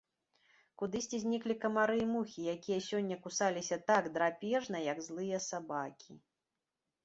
Кудысьці зніклі камары і мухі, якія сёння кусаліся так драпежна, як злыя сабакі.